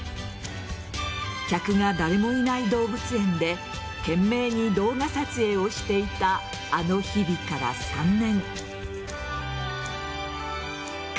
客が誰もいない動物園で懸命に動画撮影をしていたあの日々から３年。